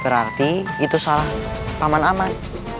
berarti itu salah aman aman